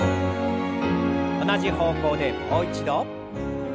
同じ方向でもう一度。